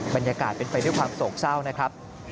บรรยากาศเป็นไปด้วยความโศกเศร้านะครับ